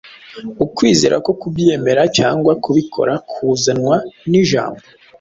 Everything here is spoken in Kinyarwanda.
ukwizera ko kubyemera cyangwa kubikora kuzanwa n’ijambo